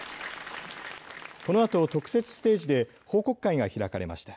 このあと特設ステージで報告会が開かれました。